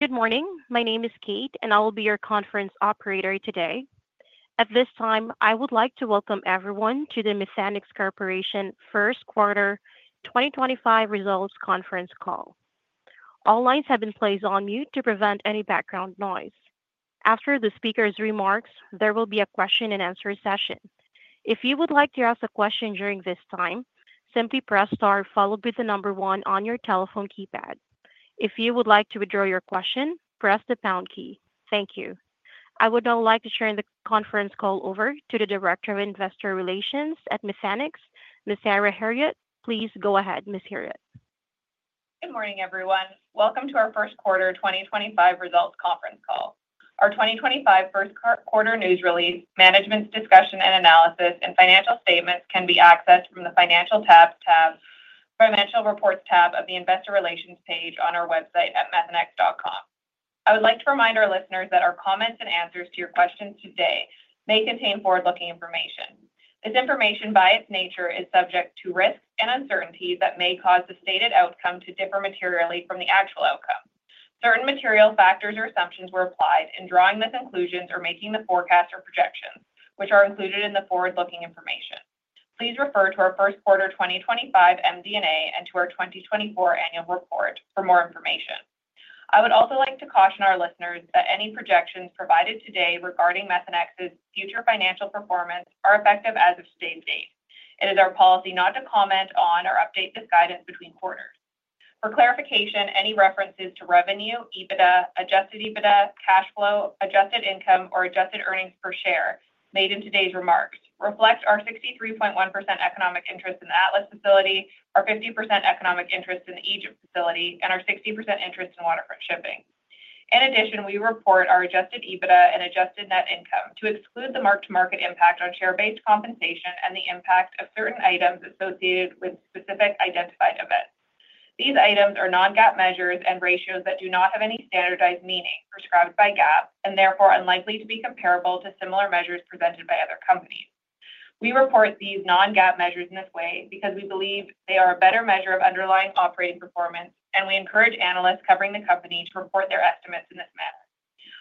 Good morning. My name is Kate, and I will be your conference operator today. At this time, I would like to welcome everyone to the Methanex Corporation First Quarter 2025 Results Conference Call. All lines have been placed on mute to prevent any background noise. After the speaker's remarks, there will be a question-and-answer session. If you would like to ask a question during this time, simply press star followed by the number one on your telephone keypad. If you would like to withdraw your question, press the pound key. Thank you. I would now like to turn the conference call over to the Director of Investor Relations at Methanex, Ms. Sarah Herriott. Please go ahead, Ms. Herriott. Good morning, everyone. Welcome to first quarter 2025 results conference call. Our first quarter news release, management's discussion and analysis, and financial statements can be accessed from the Financial Reports tab of the Investor Relations page on our website at methanex.com. I would like to remind our listeners that our comments and answers to your questions today may contain forward-looking information. This information, by its nature, is subject to risks and uncertainties that may cause the stated outcome to differ materially from the actual outcome. Certain material factors or assumptions were applied in drawing the conclusions or making the forecast or projections, which are included in the forward-looking information. Please refer to first quarter 2025 MD&A and to our 2024 Annual Report for more information. I would also like to caution our listeners that any projections provided today regarding Methanex's future financial performance are effective as of today's date. It is our policy not to comment on or update this guidance between quarters. For clarification, any references to revenue, EBITDA, adjusted EBITDA, cash flow, adjusted income, or adjusted earnings per share made in today's remarks reflect our 63.1% economic interest in the Atlas facility, our 50% economic interest in the Egypt facility, and our 60% interest in Waterfront Shipping. In addition, we report our adjusted EBITDA and adjusted net income to exclude the mark-to-market impact on share-based compensation and the impact of certain items associated with specific identified events. These items are non-GAAP measures and ratios that do not have any standardized meaning prescribed by GAAP and therefore are unlikely to be comparable to similar measures presented by other companies. We report these non-GAAP measures in this way because we believe they are a better measure of underlying operating performance, and we encourage analysts covering the company to report their estimates in this manner.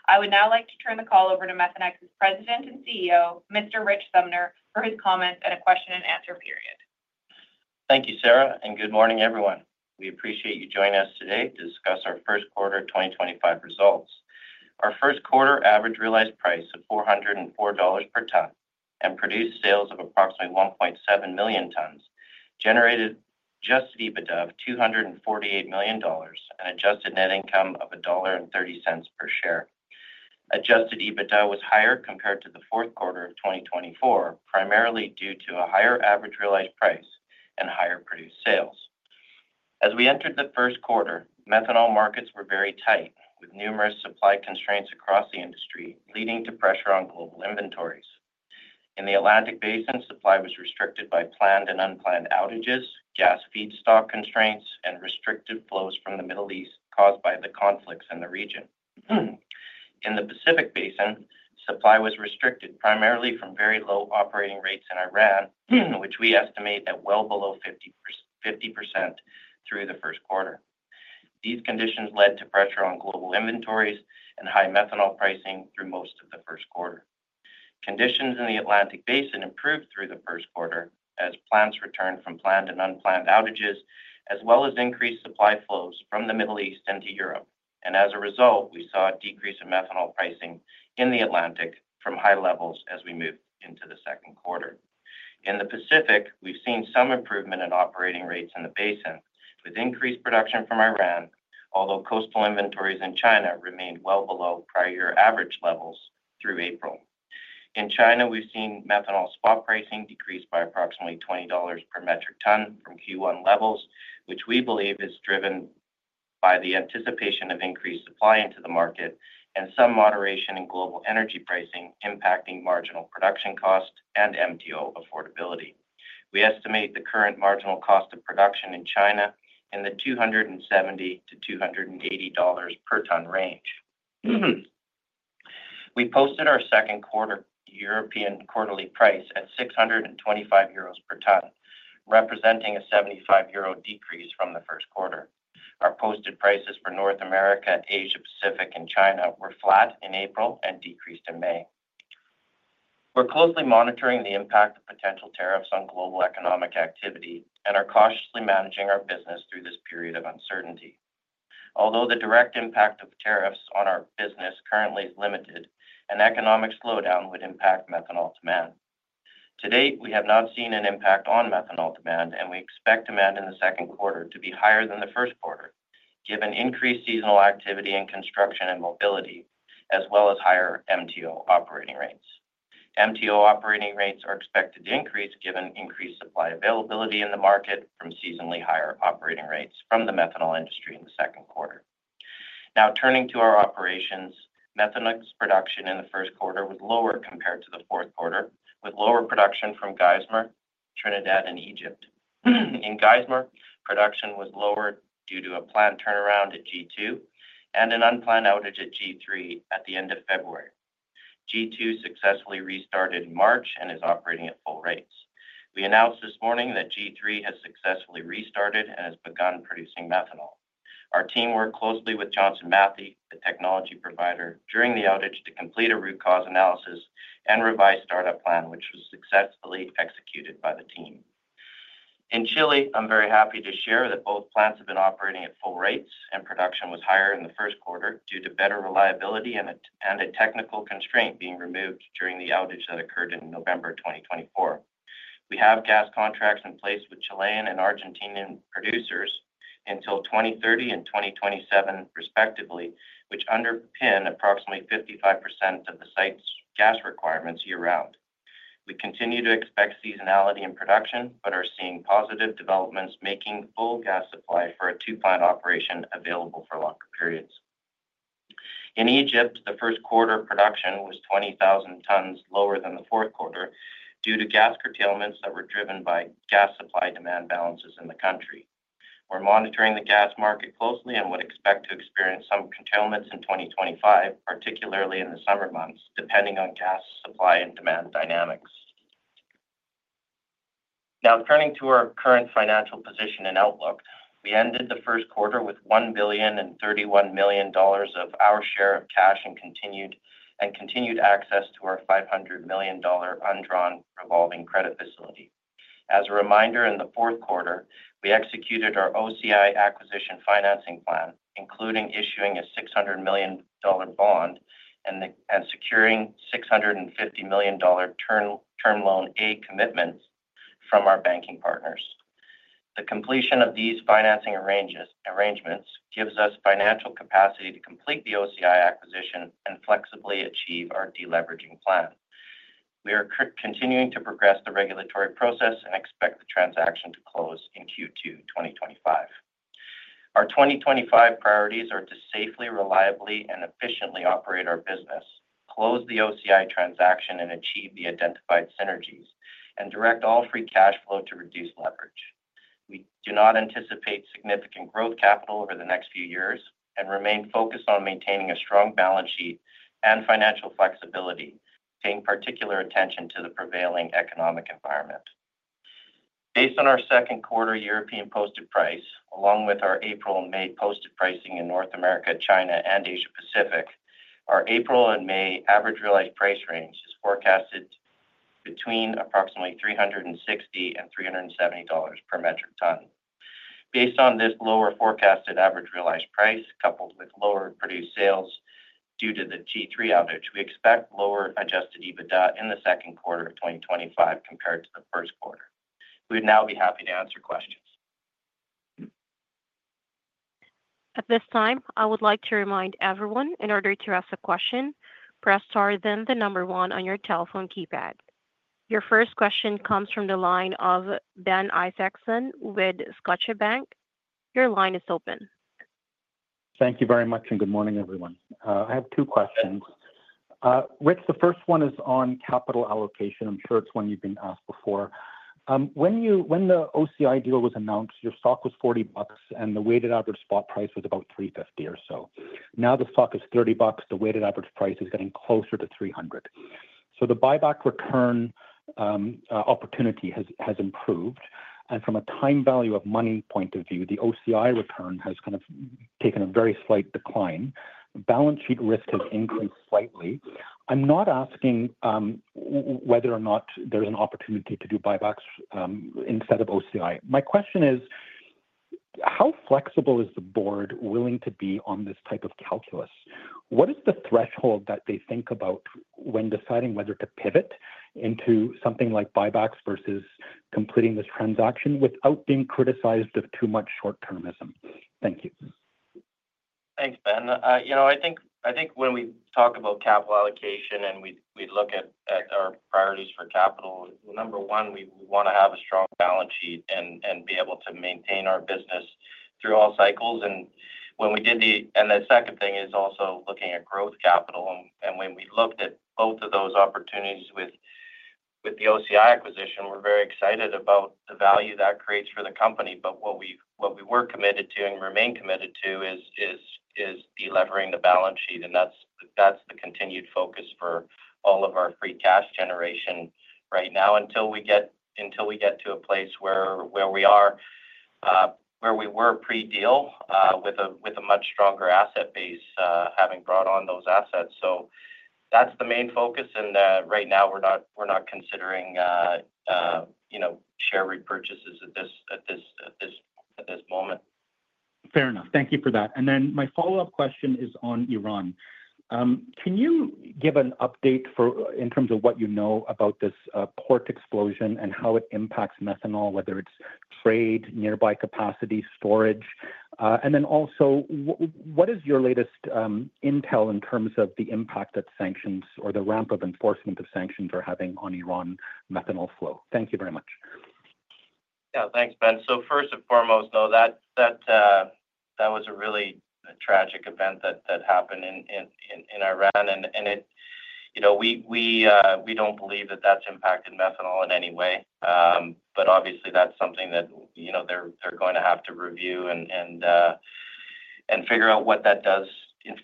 I would now like to turn the call over to Methanex's President and CEO, Mr. Rich Sumner, for his comments and a question-and-answer period. Thank you, Sarah, and good morning, everyone. We appreciate you joining us today to discuss first quarter 2025 results. first quarter average realized price of $404 per ton and produced sales of approximately 1.7 million tons generated adjusted EBITDA of $248 million and adjusted net income of $1.30 per share. Adjusted EBITDA was higher compared to the fourth quarter of 2024, primarily due to a higher average realized price and higher produced sales. As we entered first quarter, methanol markets were very tight, with numerous supply constraints across the industry, leading to pressure on global inventories. In the Atlantic Basin, supply was restricted by planned and unplanned outages, gas feedstock constraints, and restricted flows from the Middle East caused by the conflicts in the region. In the Pacific Basin, supply was restricted primarily from very low operating rates in Iran, which we estimate at well below 50% through first quarter. these conditions led to pressure on global inventories and high methanol pricing through most of first quarter. conditions in the Atlantic Basin improved through first quarter as plants returned from planned and unplanned outages, as well as increased supply flows from the Middle East into Europe. As a result, we saw a decrease in methanol pricing in the Atlantic from high levels as we moved into the second quarter. In the Pacific, we've seen some improvement in operating rates in the Basin, with increased production from Iran, although coastal inventories in China remained well below prior year average levels through April. In China, we've seen methanol spot pricing decrease by approximately $20 per metric ton from Q1 levels, which we believe is driven by the anticipation of increased supply into the market and some moderation in global energy pricing impacting marginal production cost and MTO affordability. We estimate the current marginal cost of production in China in the $270-$280 per ton range. We posted our second quarter European quarterly price at 625 euros per ton, representing a 75 euro decrease from first quarter. our posted prices for North America, Asia Pacific, and China were flat in April and decreased in May. We're closely monitoring the impact of potential tariffs on global economic activity and are cautiously managing our business through this period of uncertainty. Although the direct impact of tariffs on our business currently is limited, an economic slowdown would impact methanol demand. To date, we have not seen an impact on methanol demand, and we expect demand in the second quarter to be higher than first quarter, given increased seasonal activity in construction and mobility, as well as higher MTO operating rates. MTO operating rates are expected to increase given increased supply availability in the market from seasonally higher operating rates from the methanol industry in the second quarter. Now, turning to our operations, Methanex production in first quarter was lower compared to the fourth quarter, with lower production from Geismar, Trinidad, and Egypt. In Geismar, production was lower due to a planned turnaround at G2 and an unplanned outage at G3 at the end of February. G2 successfully restarted in March and is operating at full rates. We announced this morning that G3 has successfully restarted and has begun producing methanol. Our team worked closely with Johnson Matthey, the technology provider, during the outage to complete a root cause analysis and revise the startup plan, which was successfully executed by the team. In Chile, I'm very happy to share that both plants have been operating at full rates and production was higher in first quarter due to better reliability and a technical constraint being removed during the outage that occurred in November 2024. We have gas contracts in place with Chilean and Argentinian producers until 2030 and 2027, respectively, which underpin approximately 55% of the site's gas requirements year-round. We continue to expect seasonality in production but are seeing positive developments making full gas supply for a two-plant operation available for longer periods. In Egypt, first quarter production was 20,000 tons lower than the fourth quarter due to gas curtailments that were driven by gas supply demand balances in the country. We're monitoring the gas market closely and would expect to experience some curtailments in 2025, particularly in the summer months, depending on gas supply and demand dynamics. Now, turning to our current financial position and outlook, we ended first quarter with $1,031,000,000 of our share of cash and continued access to our $500 million undrawn revolving credit facility. As a reminder, in the fourth quarter, we executed our OCI acquisition financing plan, including issuing a $600 million bond and securing $650 million Term loan A commitments from our banking partners. The completion of these financing arrangements gives us financial capacity to complete the OCI acquisition and flexibly achieve our deleveraging plan. We are continuing to progress the regulatory process and expect the transaction to close in Q2 2025. Our 2025 priorities are to safely, reliably, and efficiently operate our business, close the OCI transaction and achieve the identified synergies, and direct all free cash flow to reduce leverage. We do not anticipate significant growth capital over the next few years and remain focused on maintaining a strong balance sheet and financial flexibility, paying particular attention to the prevailing economic environment. Based on our Second Quarter European posted price, along with our April and May posted pricing in North America, China, and Asia Pacific, our April and May average realized price range is forecasted between approximately $360-$370 per metric ton. Based on this lower forecasted average realized price, coupled with lower produced sales due to the G3 outage, we expect lower adjusted EBITDA in the second quarter of 2025 compared to first quarter. we would now be happy to answer questions. At this time, I would like to remind everyone in order to ask a question, press star then the number one on your telephone keypad. Your first question comes from the line of Ben Isaacson with Scotiabank. Your line is open. Thank you very much and good morning, everyone. I have two questions. Rich, the first one is on capital allocation. I'm sure it's one you've been asked before. When the OCI deal was announced, your stock was $40, and the weighted average spot price was about $350 or so. Now the stock is $30. The weighted average price is getting closer to $300. The buyback return opportunity has improved. From a time value of money point of view, the OCI return has kind of taken a very slight decline. Balance sheet risk has increased slightly. I'm not asking whether or not there's an opportunity to do buybacks instead of OCI. My question is, how flexible is the board willing to be on this type of calculus? What is the threshold that they think about when deciding whether to pivot into something like buybacks versus completing this transaction without being criticized of too much short-termism? Thank you. Thanks, Ben. You know, I think when we talk about capital allocation and we look at our priorities for capital, number one, we want to have a strong balance sheet and be able to maintain our business through all cycles. When we did the... The second thing is also looking at growth capital. When we looked at both of those opportunities with the OCI acquisition, we're very excited about the value that creates for the company. What we were committed to and remain committed to is delivering the balance sheet. That's the continued focus for all of our free cash generation right now until we get to a place where we were pre-deal with a much stronger asset base having brought on those assets. That's the main focus. Right now, we're not considering share repurchases at this moment. Fair enough. Thank you for that. My follow-up question is on Iran. Can you give an update in terms of what you know about this port explosion and how it impacts methanol, whether it's trade, nearby capacity, storage? Also, what is your latest intel in terms of the impact that sanctions or the ramp of enforcement of sanctions are having on Iran methanol flow? Thank you very much. Yeah, thanks, Ben. First and foremost, no, that was a really tragic event that happened in Iran. We don't believe that that's impacted methanol in any way. Obviously, that's something that they're going to have to review and figure out what that does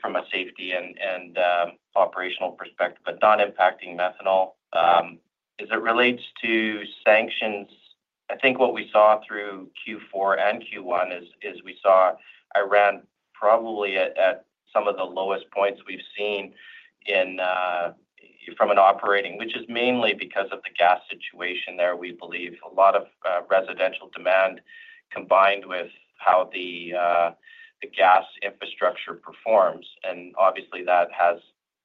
from a safety and operational perspective, but not impacting methanol. As it relates to sanctions, I think what we saw through Q4 and Q1 is we saw Iran probably at some of the lowest points we've seen from an operating, which is mainly because of the gas situation there. We believe a lot of residential demand combined with how the gas infrastructure performs. Obviously, that has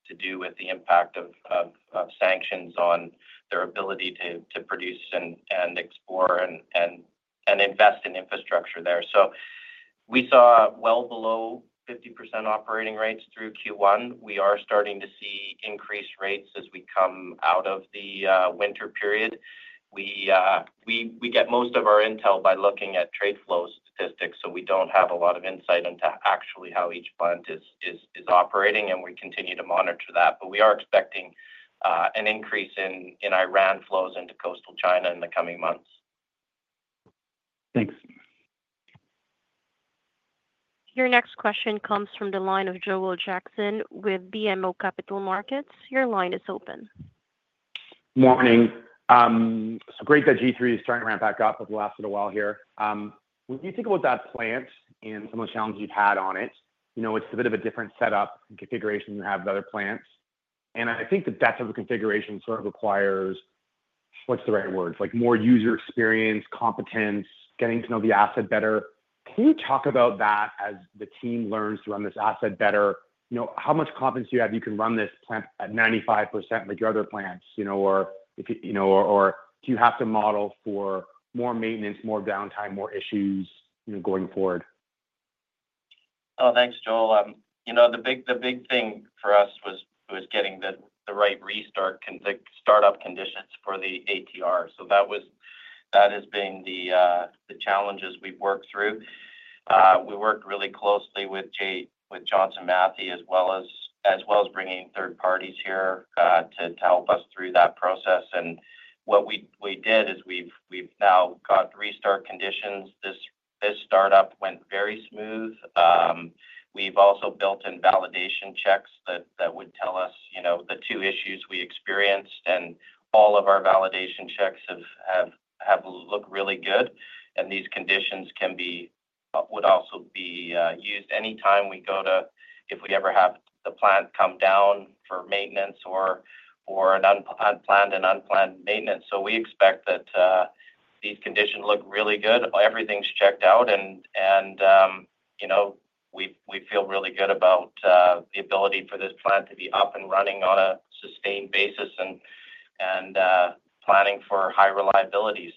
to do with the impact of sanctions on their ability to produce and explore and invest in infrastructure there. We saw well below 50% operating rates through Q1. We are starting to see increased rates as we come out of the winter period. We get most of our intel by looking at trade flows statistics, so we do not have a lot of insight into actually how each plant is operating, and we continue to monitor that. We are expecting an increase in Iran flows into coastal China in the coming months. Thanks. Your next question comes from the line of Joel Jackson with BMO Capital Markets. Your line is open. Morning. Great that G3 is starting to ramp back up. It will last a little while here. When you think about that plant and some of the challenges you've had on it, it's a bit of a different setup and configuration than you have with other plants. I think that that type of configuration sort of requires, what's the right word, more user experience, competence, getting to know the asset better. Can you talk about that as the team learns to run this asset better? How much confidence do you have you can run this plant at 95% like your other plants? Or do you have to model for more maintenance, more downtime, more issues going forward? Oh, thanks, Joel. The big thing for us was getting the right restart startup conditions for the ATR. That has been the challenges we've worked through. We worked really closely with Johnson Matthey, as well as bringing third parties here to help us through that process. What we did is we've now got restart conditions. This startup went very smooth. We've also built in validation checks that would tell us the two issues we experienced. All of our validation checks have looked really good. These conditions would also be used anytime we go to, if we ever have the plant come down for maintenance or an unplanned maintenance. We expect that these conditions look really good. Everything's checked out. We feel really good about the ability for this plant to be up and running on a sustained basis and planning for high reliability.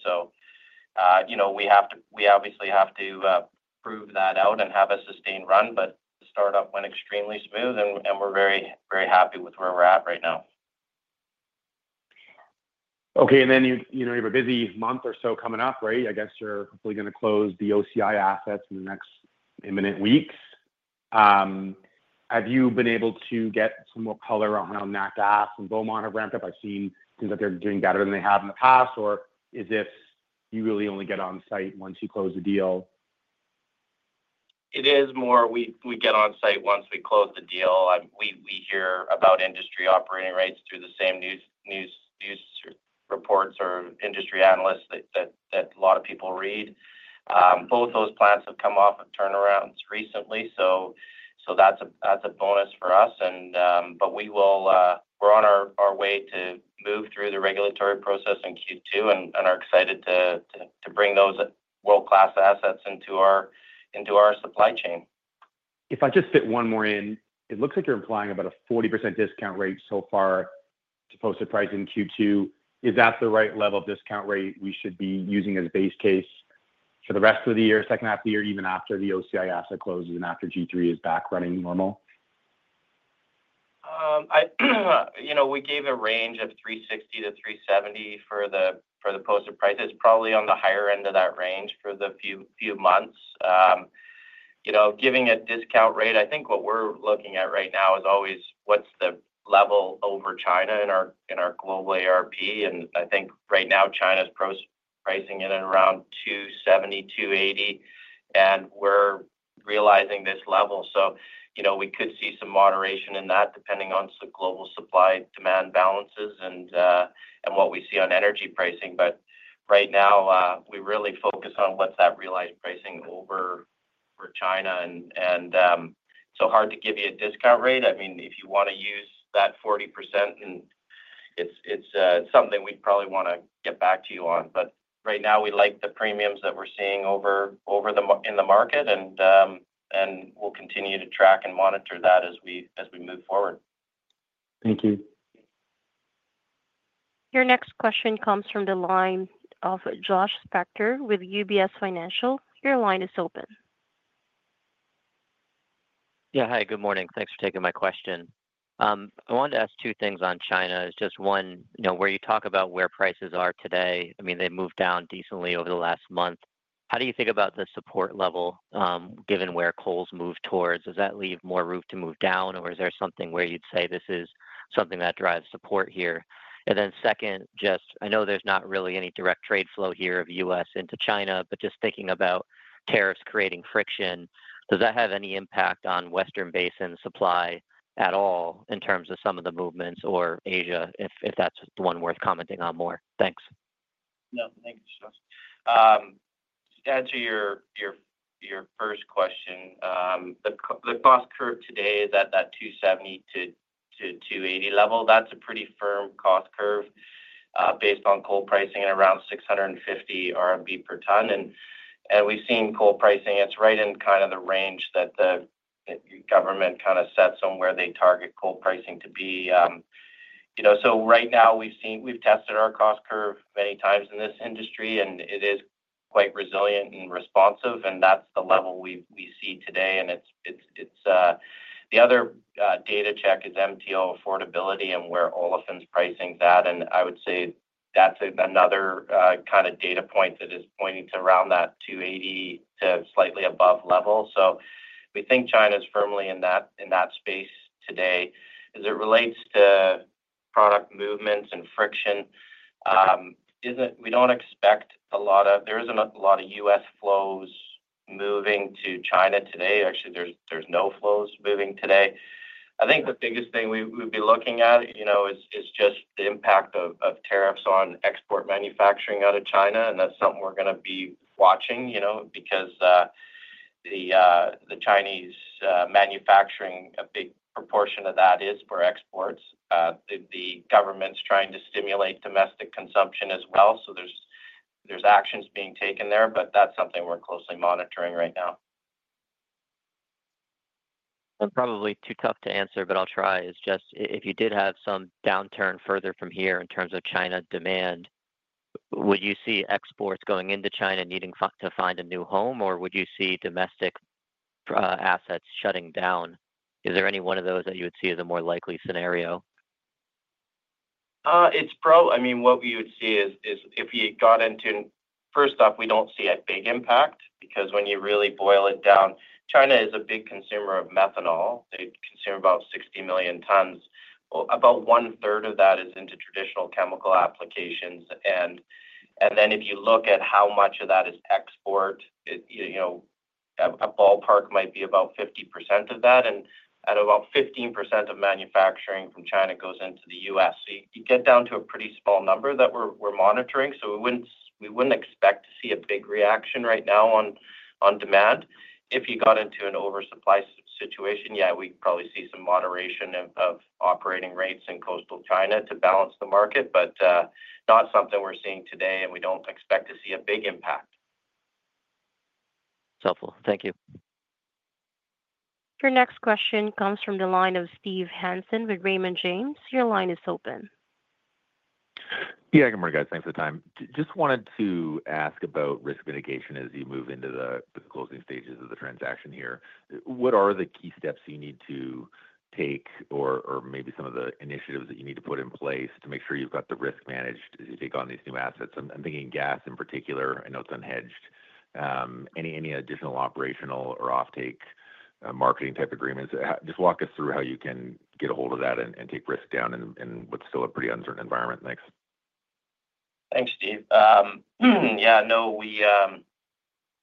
We obviously have to prove that out and have a sustained run. The startup went extremely smooth, and we're very happy with where we're at right now. Okay. You have a busy month or so coming up, right? I guess you're hopefully going to close the OCI assets in the next imminent weeks. Have you been able to get some more color around Natgasoline and Beaumont have ramped up? I've seen things that they're doing better than they have in the past, or is this you really only get on site once you close the deal? It is more we get on site once we close the deal. We hear about industry operating rates through the same news reports or industry analysts that a lot of people read. Both those plants have come off of turnarounds recently, so that's a bonus for us. We are on our way to move through the regulatory process in Q2, and are excited to bring those world-class assets into our supply chain. If I just fit one more in, it looks like you're implying about a 40% discount rate so far to posted price in Q2. Is that the right level of discount rate we should be using as base case for the rest of the year, second half of the year, even after the OCI asset closes and after G3 is back running normal? We gave a range of $360-$370 for the posted prices. Probably on the higher end of that range for the few months. Giving a discount rate, I think what we're looking at right now is always what's the level over China in our global ARP. I think right now, China's pricing in at around $270-$280, and we're realizing this level. We could see some moderation in that depending on the global supply demand balances and what we see on energy pricing. Right now, we really focus on what's that realized pricing over China. It is hard to give you a discount rate. I mean, if you want to use that 40%, it's something we'd probably want to get back to you on. Right now, we like the premiums that we're seeing in the market, and we'll continue to track and monitor that as we move forward. Thank you. Your next question comes from the line of Josh Spector with UBS. Your line is open. Yeah, hi, good morning. Thanks for taking my question. I wanted to ask two things on China. It's just one, where you talk about where prices are today, I mean, they moved down decently over the last month. How do you think about the support level given where coals move towards? Does that leave more room to move down, or is there something where you'd say this is something that drives support here? Then second, just I know there's not really any direct trade flow here of U.S. into China, but just thinking about tariffs creating friction, does that have any impact on Western basin supply at all in terms of some of the movements or Asia, if that's the one worth commenting on more? Thanks. No, thank you, Josh. To answer your first question, the cost curve today is at that $270-$280 level. That's a pretty firm cost curve based on coal pricing at around 650 RMB per ton. We've seen coal pricing, it's right in kind of the range that the government kind of sets on where they target coal pricing to be. Right now, we've tested our cost curve many times in this industry, and it is quite resilient and responsive. That's the level we see today. The other data check is MTO affordability and where olefins pricing's at. I would say that's another kind of data point that is pointing to around that $280 to slightly above level. We think China's firmly in that space today. As it relates to product movements and friction, we don't expect a lot of there isn't a lot of U.S. flows moving to China today. Actually, there's no flows moving today. I think the biggest thing we'd be looking at is just the impact of tariffs on export manufacturing out of China. That's something we're going to be watching because the Chinese manufacturing, a big proportion of that is for exports. The government's trying to stimulate domestic consumption as well. There are actions being taken there, but that's something we're closely monitoring right now. Probably too tough to answer, but I'll try is just if you did have some downturn further from here in terms of China demand, would you see exports going into China needing to find a new home, or would you see domestic assets shutting down? Is there any one of those that you would see as a more likely scenario? I mean, what we would see is if we got into, first off, we don't see a big impact because when you really boil it down, China is a big consumer of methanol. They consume about 60 million tons. About 1/3 of that is into traditional chemical applications. If you look at how much of that is export, a ballpark might be about 50% of that. At about 15% of manufacturing from China goes into the U.S. You get down to a pretty small number that we're monitoring. We wouldn't expect to see a big reaction right now on demand. If you got into an oversupply situation, yeah, we'd probably see some moderation of operating rates in coastal China to balance the market, but not something we're seeing today, and we don't expect to see a big impact. It's helpful. Thank you. Your next question comes from the line of Steve Hansen with Raymond James. Your line is open. Yeah, good morning, guys. Thanks for the time. Just wanted to ask about risk mitigation as you move into the closing stages of the transaction here. What are the key steps you need to take or maybe some of the initiatives that you need to put in place to make sure you've got the risk managed as you take on these new assets? I'm thinking gas in particular. I know it's unhedged. Any additional operational or off-take marketing type agreements? Just walk us through how you can get a hold of that and take risk down in what's still a pretty uncertain environment. Thanks. Thanks, Steve. Yeah, no,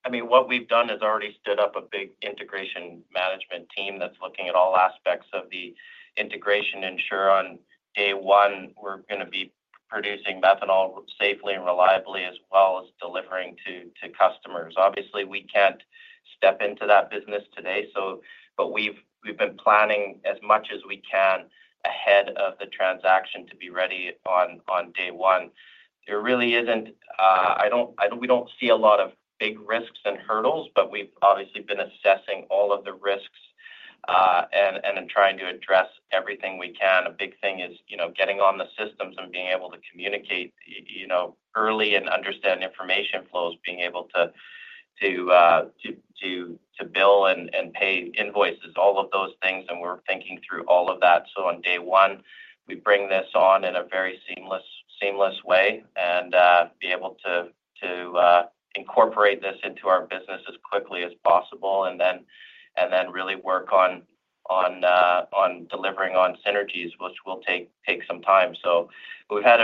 I mean, what we've done is already stood up a big integration management team that's looking at all aspects of the integration. Yeah, on day one, we're going to be producing methanol safely and reliably as well as delivering to customers. Obviously, we can't step into that business today, but we've been planning as much as we can ahead of the transaction to be ready on day one. There really isn't, we don't see a lot of big risks and hurdles, but we've obviously been assessing all of the risks and trying to address everything we can. A big thing is getting on the systems and being able to communicate early and understand information flows, being able to bill and pay invoices, all of those things. We're thinking through all of that. On day one, we bring this on in a very seamless way and be able to incorporate this into our business as quickly as possible and then really work on delivering on synergies, which will take some time. We have had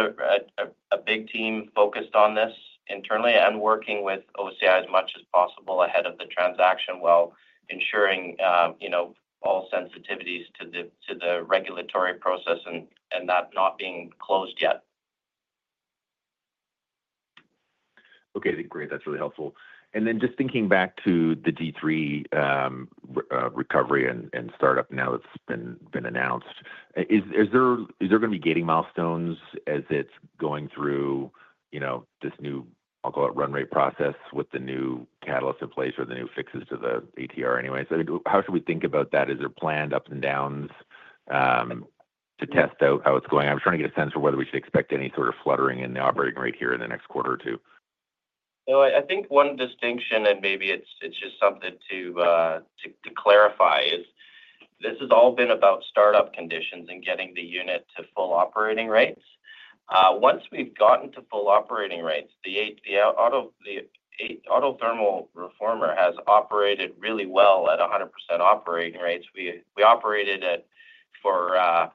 a big team focused on this internally and working with OCI as much as possible ahead of the transaction while ensuring all sensitivities to the regulatory process and that not being closed yet. Okay. Great. That's really helpful. Then just thinking back to the G3 recovery and startup now that's been announced, is there going to be gating milestones as it's going through this new, I'll call it run rate process with the new catalyst in place or the new fixes to the ATR anyways? I mean, how should we think about that? Is there planned ups and downs to test out how it's going? I'm trying to get a sense of whether we should expect any sort of fluttering in the operating rate here in the next quarter two. I think one distinction, and maybe it's just something to clarify, is this has all been about startup conditions and getting the unit to full operating rates. Once we've gotten to full operating rates, the Autothermal Reformer has operated really well at 100% operating rates. We operated for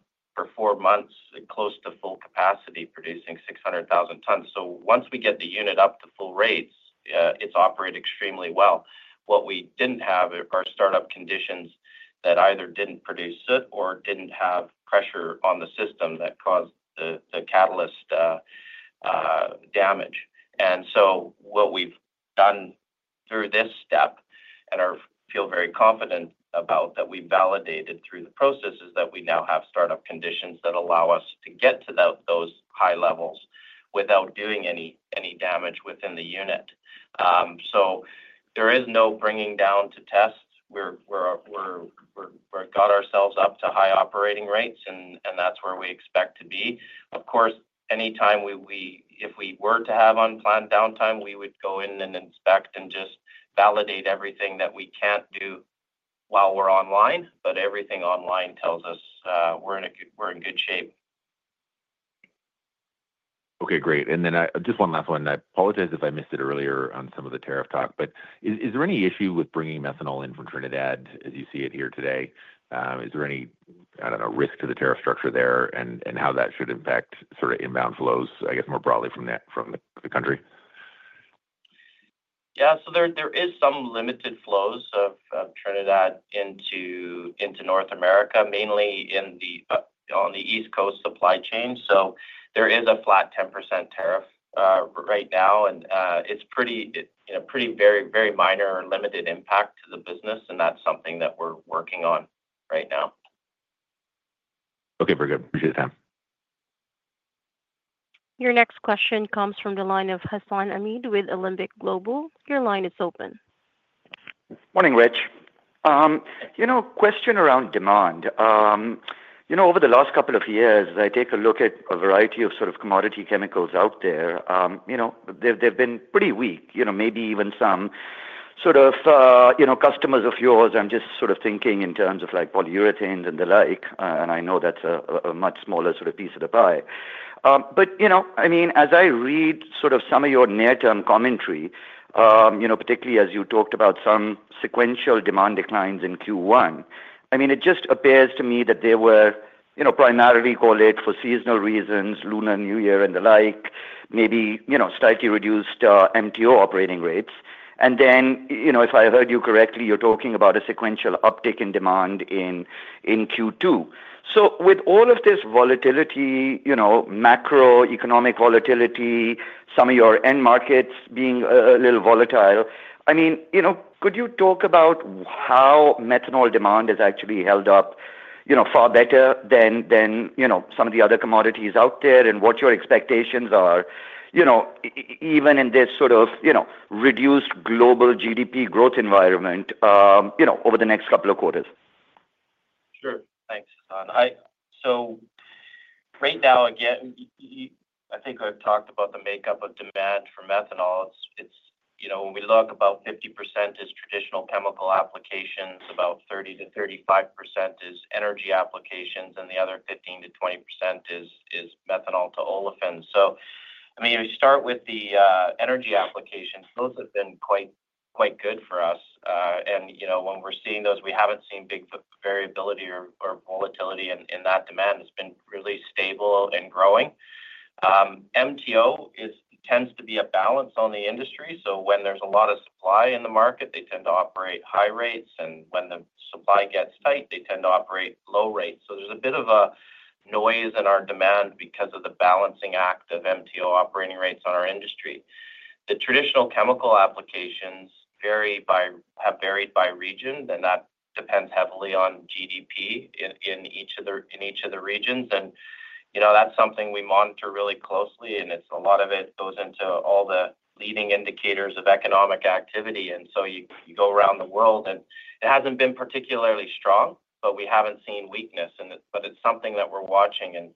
four months close to full capacity, producing 600,000 tons. Once we get the unit up to full rates, it's operated extremely well. What we didn't have are startup conditions that either didn't produce it or didn't have pressure on the system that caused the catalyst damage. What we've done through this step and feel very confident about that we validated through the process is that we now have startup conditions that allow us to get to those high levels without doing any damage within the unit. There is no bringing down to test. We got ourselves up to high operating rates, and that's where we expect to be. Of course, anytime if we were to have unplanned downtime, we would go in and inspect and just validate everything that we can't do while we're online. Everything online tells us we're in good shape. Okay. Great. Just one last one. I apologize if I missed it earlier on some of the tariff talk, but is there any issue with bringing methanol in from Trinidad as you see it here today? Is there any, I do not know, risk to the tariff structure there and how that should impact sort of inbound flows, I guess, more broadly from the country? Yeah. There is some limited flows of Trinidad into North America, mainly on the East Coast supply chain. There is a flat 10% tariff right now, and it is pretty very minor or limited impact to the business, and that is something that we are working on right now. Okay. Very good. Appreciate the time. Your next question comes from the line of Hassan Ahmed with Alembic Global. Your line is open. Morning, Rich. Question around demand. Over the last couple of years, I take a look at a variety of sort of commodity chemicals out there. They've been pretty weak, maybe even some sort of customers of yours. I'm just sort of thinking in terms of polyurethanes and the like, and I know that's a much smaller sort of piece of the pie. I mean, as I read sort of some of your near-term commentary, particularly as you talked about some sequential demand declines in Q1, it just appears to me that they were primarily called late for seasonal reasons, Lunar New Year and the like, maybe slightly reduced MTO operating rates. If I heard you correctly, you're talking about a sequential uptick in demand in Q2. With all of this volatility, macroeconomic volatility, some of your end markets being a little volatile, I mean, could you talk about how methanol demand has actually held up far better than some of the other commodities out there and what your expectations are, even in this sort of reduced global GDP growth environment over the next couple of quarters? Sure. Thanks, Hassan. Right now, again, I think I've talked about the makeup of demand for methanol. When we look, about 50% is traditional chemical applications, about 30%-35% is energy applications, and the other 15%-20% is methanol to olefin. I mean, if we start with the energy applications, those have been quite good for us. When we're seeing those, we haven't seen big variability or volatility in that demand. It's been really stable and growing. MTO tends to be a balance on the industry. When there's a lot of supply in the market, they tend to operate high rates. When the supply gets tight, they tend to operate low rates. There's a bit of a noise in our demand because of the balancing act of MTO operating rates on our industry. The traditional chemical applications have varied by region, and that depends heavily on GDP in each of the regions. That is something we monitor really closely, and a lot of it goes into all the leading indicators of economic activity. You go around the world, and it has not been particularly strong, but we have not seen weakness. It is something that we are watching, and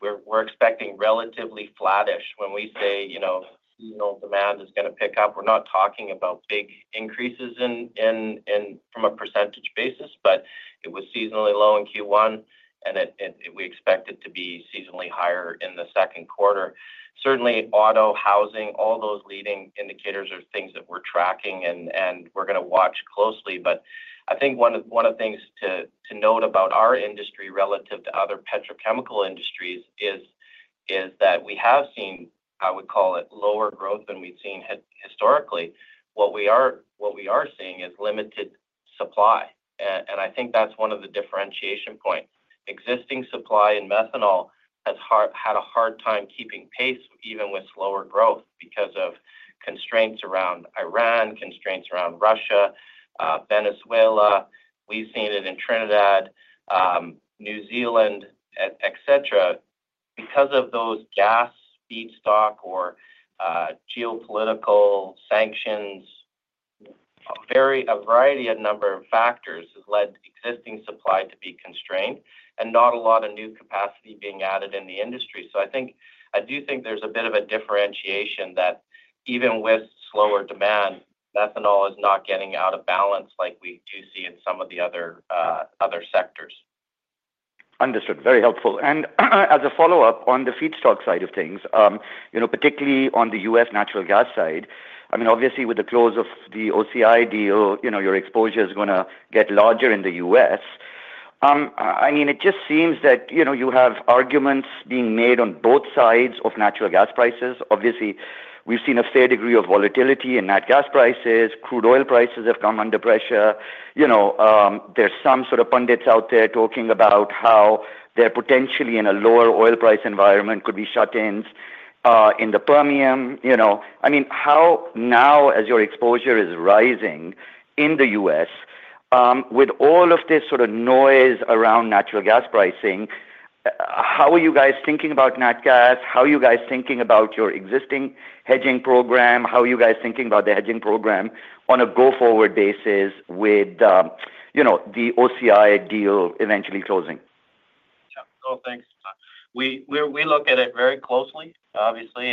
we are expecting relatively flattish. When we say seasonal demand is going to pick up, we are not talking about big increases from a percentage basis, but it was seasonally low in Q1, and we expect it to be seasonally higher in the second quarter. Certainly, auto, housing, all those leading indicators are things that we are tracking, and we are going to watch closely. I think one of the things to note about our industry relative to other petrochemical industries is that we have seen, I would call it, lower growth than we've seen historically. What we are seeing is limited supply. I think that's one of the differentiation points. Existing supply in methanol has had a hard time keeping pace even with slower growth because of constraints around Iran, constraints around Russia, Venezuela. We've seen it in Trinidad, New Zealand, etc. Because of those gas feedstock or geopolitical sanctions, a variety of number of factors has led to existing supply to be constrained and not a lot of new capacity being added in the industry. I do think there's a bit of a differentiation that even with slower demand, methanol is not getting out of balance like we do see in some of the other sectors. Understood. Very helpful. As a follow-up on the feedstock side of things, particularly on the U.S. natural gas side, I mean, obviously, with the close of the OCI deal, your exposure is going to get larger in the U.S. I mean, it just seems that you have arguments being made on both sides of natural gas prices. Obviously, we've seen a fair degree of volatility in natural gas prices. Crude oil prices have come under pressure. There are some sort of pundits out there talking about how they're potentially in a lower oil price environment, could be shut-ins in the Permian. I mean, how now, as your exposure is rising in the U.S., with all of this sort of noise around natural gas pricing, how are you guys thinking about natural gas? How are you guys thinking about your existing hedging program? How are you guys thinking about the hedging program on a go-forward basis with the OCI deal eventually closing? Yeah. Thanks, Hassan. We look at it very closely, obviously.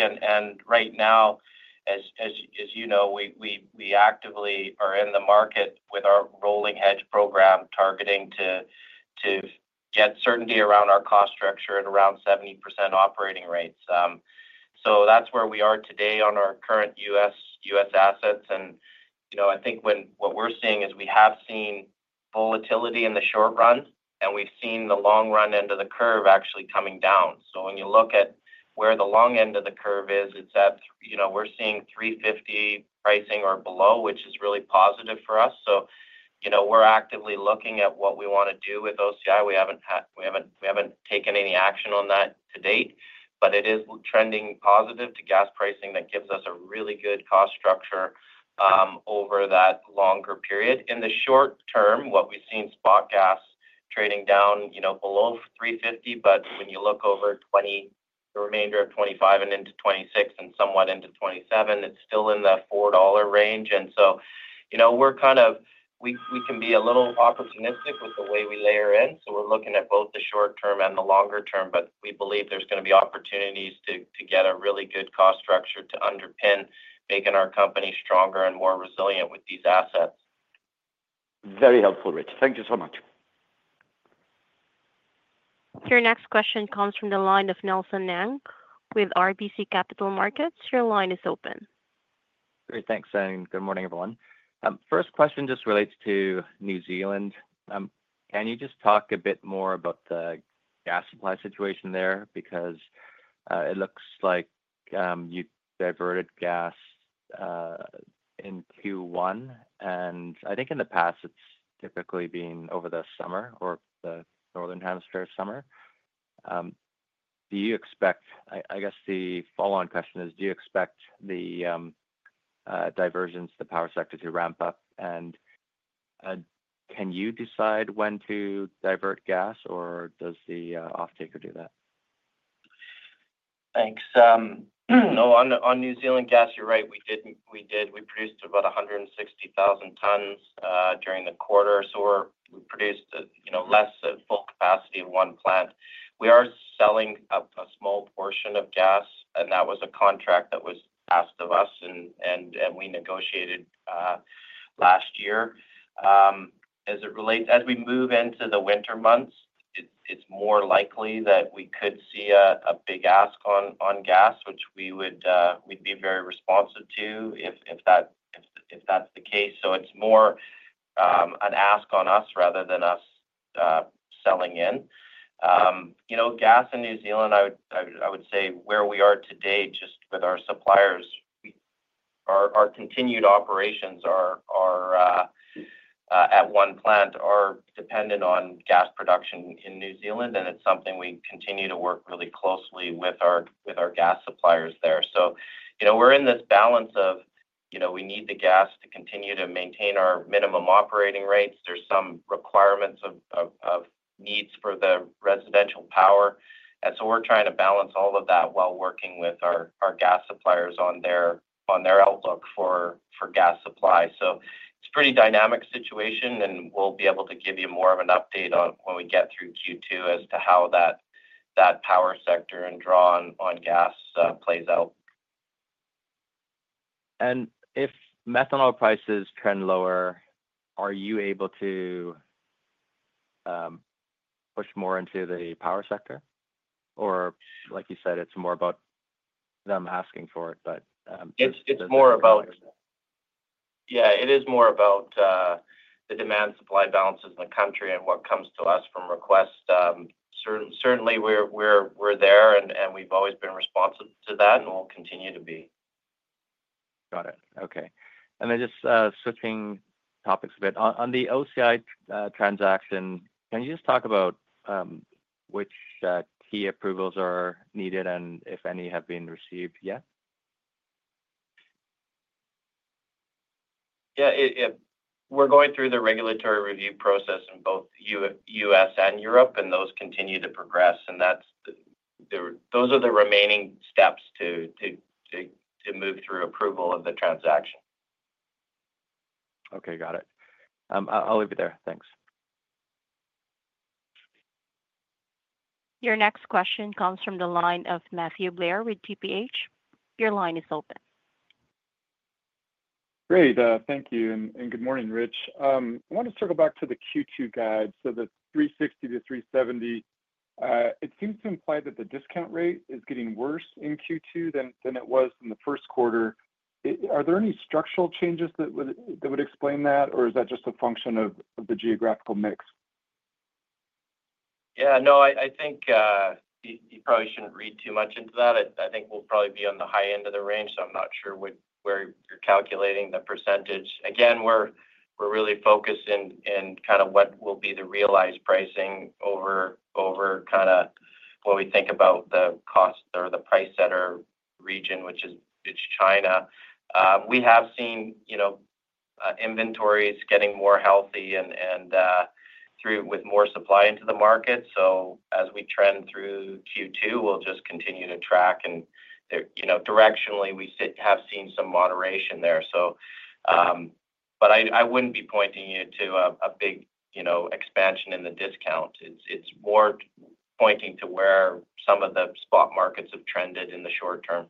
Right now, as you know, we actively are in the market with our rolling hedge program targeting to get certainty around our cost structure at around 70% operating rates. That is where we are today on our current U.S. assets. I think what we are seeing is we have seen volatility in the short run, and we have seen the long run end of the curve actually coming down. When you look at where the long end of the curve is, we are seeing $350 pricing or below, which is really positive for us. We are actively looking at what we want to do with OCI. We have not taken any action on that to date, but it is trending positive to gas pricing that gives us a really good cost structure over that longer period. In the short term, what we've seen spot gas trading down below $3.50, but when you look over the remainder of 2025 and into 2026 and somewhat into 2027, it's still in the $4 range. We can be a little opportunistic with the way we layer in. We are looking at both the short term and the longer term, but we believe there's going to be opportunities to get a really good cost structure to underpin making our company stronger and more resilient with these assets. Very helpful, Rich. Thank you so much. Your next question comes from the line of Nelson Ng with RBC Capital Markets. Your line is open. Great. Thanks, Hassan. Good morning, everyone. First question just relates to New Zealand. Can you just talk a bit more about the gas supply situation there? Because it looks like you diverted gas in Q1, and I think in the past, it's typically been over the summer or the northern hemisphere summer. Do you expect, I guess the follow-on question is, do you expect the diversions, the power sector to ramp up? And can you decide when to divert gas, or does the off-taker do that? Thanks. Oh, on New Zealand gas, you're right. We did. We produced about 160,000 tons during the quarter. We produced less than full capacity of one plant. We are selling a small portion of gas, and that was a contract that was asked of us, and we negotiated last year. As we move into the winter months, it's more likely that we could see a big ask on gas, which we'd be very responsive to if that's the case. It's more an ask on us rather than us selling in. Gas in New Zealand, I would say where we are today, just with our suppliers, our continued operations at one plant are dependent on gas production in New Zealand, and it's something we continue to work really closely with our gas suppliers there. We're in this balance of we need the gas to continue to maintain our minimum operating rates. There's some requirements of needs for the residential power. We're trying to balance all of that while working with our gas suppliers on their outlook for gas supply. It's a pretty dynamic situation, and we'll be able to give you more of an update when we get through Q2 as to how that power sector and draw on gas plays out. If methanol prices trend lower, are you able to push more into the power sector? Or like you said, it's more about them asking for it, but. It's more about yeah, it is more about the demand-supply balances in the country and what comes to us from request. Certainly, we're there, and we've always been responsive to that, and we'll continue to be. Got it. Okay. Just switching topics a bit. On the OCI transaction, can you just talk about which key approvals are needed and if any have been received yet? Yeah. We're going through the regulatory review process in both the U.S. and Europe, and those continue to progress. Those are the remaining steps to move through approval of the transaction. Okay. Got it. I'll leave it there. Thanks. Your next question comes from the line of Matthew Blair with TPH. Your line is open. Great. Thank you. Good morning, Rich. I want to circle back to the Q2 guide. The $360-$370, it seems to imply that the discount rate is getting worse in Q2 than it was in first quarter. are there any structural changes that would explain that, or is that just a function of the geographical mix? Yeah. No, I think you probably shouldn't read too much into that. I think we'll probably be on the high end of the range, so I'm not sure where you're calculating the percentage. Again, we're really focused in kind of what will be the realized pricing over kind of what we think about the cost or the price setter region, which is China. We have seen inventories getting more healthy and with more supply into the market. As we trend through Q2, we'll just continue to track. Directionally, we have seen some moderation there. I wouldn't be pointing you to a big expansion in the discount. It's more pointing to where some of the spot markets have trended in the short term.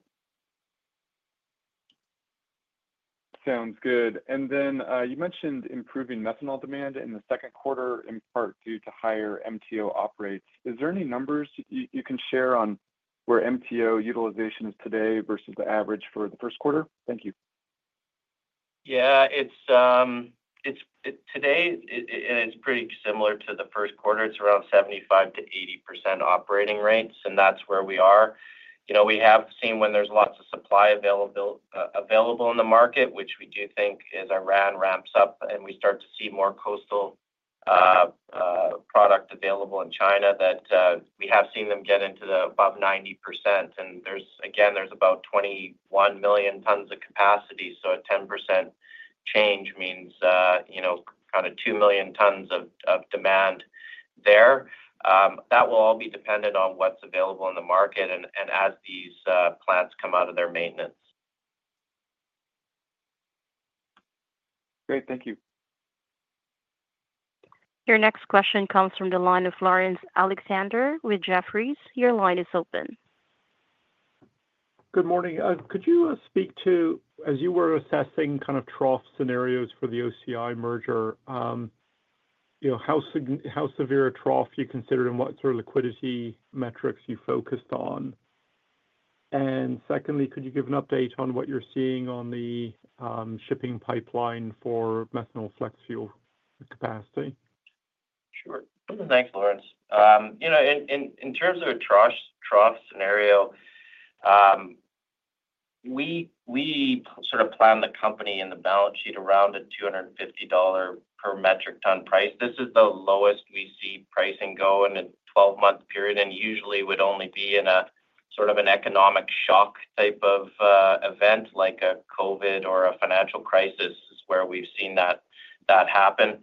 Sounds good. You mentioned improving methanol demand in the second quarter in part due to higher MTO operates. Is there any numbers you can share on where MTO utilization is today versus the average for first quarter? thank you. Yeah. Today, it's pretty similar to first quarter. it's around 75%-80% operating rates, and that's where we are. We have seen when there's lots of supply available in the market, which we do think as Iran ramps up and we start to see more coastal product available in China, that we have seen them get into the above 90%. Again, there's about 21 million tons of capacity. So a 10% change means kind of 2 million tons of demand there. That will all be dependent on what's available in the market and as these plants come out of their maintenance. Great. Thank you. Your next question comes from the line of Laurence Alexander with Jefferies. Your line is open. Good morning. Could you speak to, as you were assessing kind of trough scenarios for the OCI merger, how severe a trough you considered and what sort of liquidity metrics you focused on? Secondly, could you give an update on what you're seeing on the shipping pipeline for methanol flex fuel capacity? Sure. Thanks, Laurence. In terms of a trough scenario, we sort of plan the company and the balance sheet around a $250 per metric ton price. This is the lowest we see pricing go in a 12-month period, and usually, it would only be in a sort of an economic shock type of event like a COVID or a financial crisis is where we've seen that happen.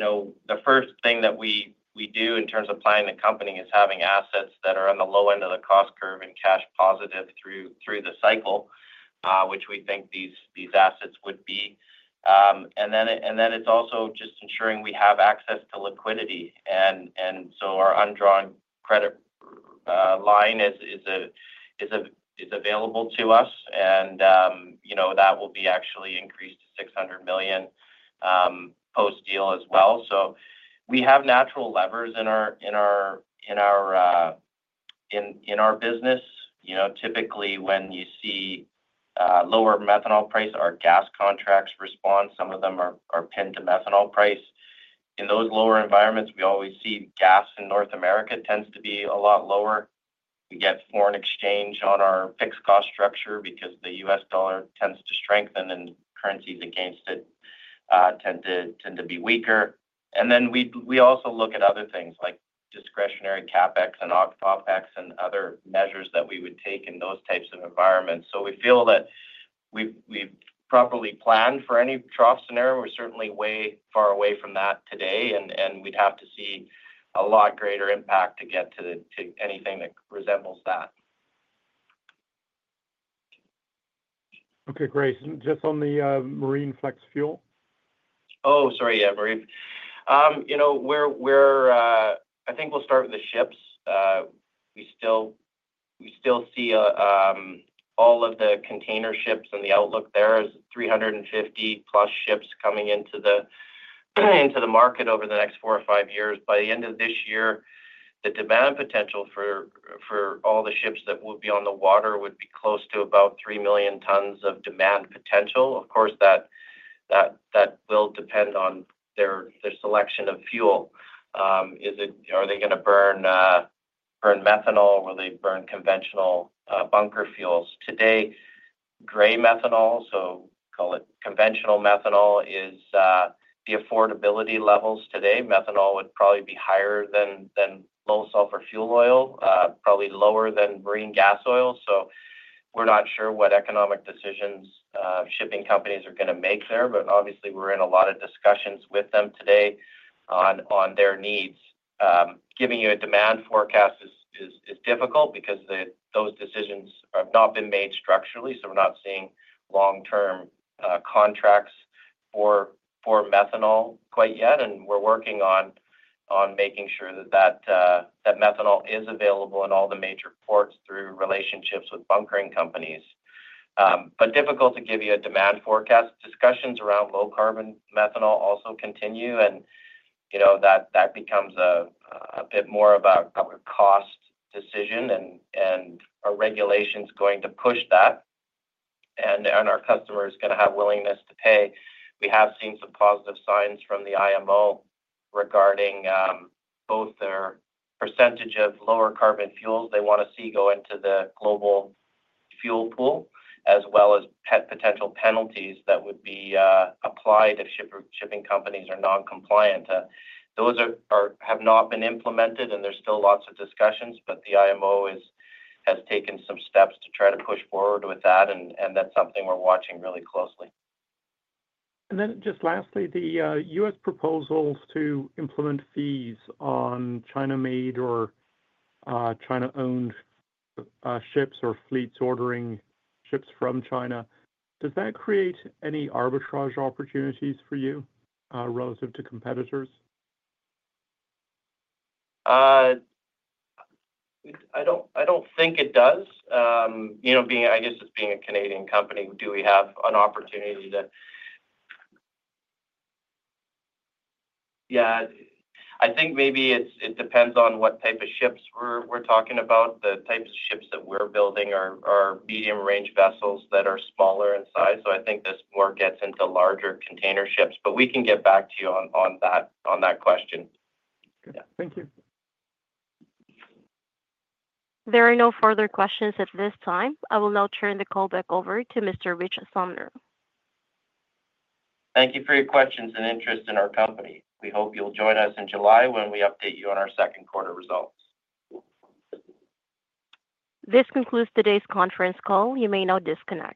The first thing that we do in terms of planning the company is having assets that are on the low end of the cost curve and cash positive through the cycle, which we think these assets would be. It is also just ensuring we have access to liquidity. Our undrawn credit line is available to us, and that will be actually increased to $600 million post-deal as well. We have natural levers in our business. Typically, when you see lower methanol price, our gas contracts respond. Some of them are pinned to methanol price. In those lower environments, we always see gas in North America tends to be a lot lower. We get foreign exchange on our fixed cost structure because the U.S. dollar tends to strengthen, and currencies against it tend to be weaker. We also look at other things like discretionary CapEx and OpEx and other measures that we would take in those types of environments. We feel that we've properly planned for any trough scenario. We're certainly way far away from that today, and we'd have to see a lot greater impact to get to anything that resembles that. Okay. Great. Just on the marine flex fuel? Oh, sorry. Yeah, Marine. I think we'll start with the ships. We still see all of the container ships, and the outlook there is 350-plus ships coming into the market over the next four or five years. By the end of this year, the demand potential for all the ships that will be on the water would be close to about 3 million tons of demand potential. Of course, that will depend on their selection of fuel. Are they going to burn methanol, or will they burn conventional bunker fuels? Today, gray methanol, so call it conventional methanol, is the affordability levels today. Methanol would probably be higher than low sulfur fuel oil, probably lower than marine gas oil. We are not sure what economic decisions shipping companies are going to make there, but obviously, we are in a lot of discussions with them today on their needs. Giving you a demand forecast is difficult because those decisions have not been made structurally, so we're not seeing long-term contracts for methanol quite yet. We're working on making sure that methanol is available in all the major ports through relationships with bunkering companies. Difficult to give you a demand forecast. Discussions around low-carbon methanol also continue, and that becomes a bit more of a cost decision, and are regulations going to push that. Are customers going to have willingness to pay. We have seen some positive signs from the IMO regarding both their percentage of lower carbon fuels they want to see go into the global fuel pool, as well as potential penalties that would be applied if shipping companies are non-compliant. Those have not been implemented, and there's still lots of discussions, but the IMO has taken some steps to try to push forward with that, and that's something we're watching really closely. Just lastly, the U.S. proposals to implement fees on China-made or China-owned ships or fleets ordering ships from China, does that create any arbitrage opportunities for you relative to competitors? I don't think it does. I guess just being a Canadian company, do we have an opportunity to? Yeah. I think maybe it depends on what type of ships we're talking about. The type of ships that we're building are medium-range vessels that are smaller in size. I think this more gets into larger container ships, but we can get back to you on that question. Thank you. There are no further questions at this time. I will now turn the call back over to Mr. Rich Sumner. Thank you for your questions and interest in our company. We hope you'll join us in July when we update you on our second quarter results. This concludes today's conference call. You may now disconnect.